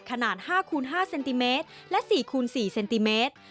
ขนาด๕คูณ๕เซนติเมตรและ๔คูณ๔เซนติเมตร